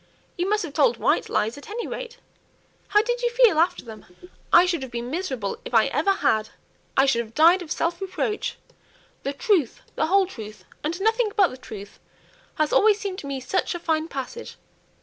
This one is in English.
You must have told white lies, at any rate. How did you feel after them?" "I should have been miserable if I ever had. I should have died of self reproach. 'The truth, the whole truth, and nothing but the truth,' has always seemed to me such a fine passage.